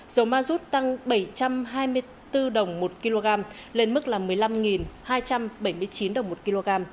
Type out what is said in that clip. dầu ma rút tăng bảy trăm hai mươi bốn đồng một kg lên mức là một mươi năm hai trăm bảy mươi chín đồng một kg